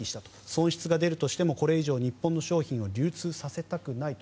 損失が出るとしてもこれ以上、日本の商品を流通させたくないと。